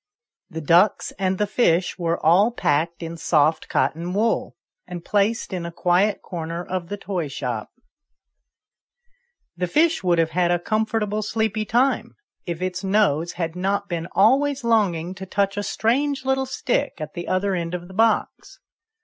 The ducks and the fish were all packed in soft cotton wool, and placed in a quiet corner of the toy shop. The fish would have had a comfortable sleepy time if its nose had not been always longing to touch a strange little stick at the other end of the box.